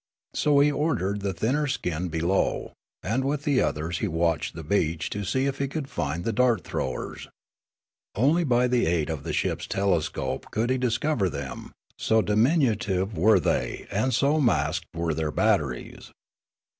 So he ordered the thinner skinned below, and with the others he watched the beach to see if he could find the dart throwers. Only by aid of the ship's telescope could he discover them, so diminutive were they and so masked were their batteries.